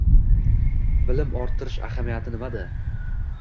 bilim orttirish ahamiyati nimada?